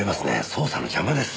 捜査の邪魔です。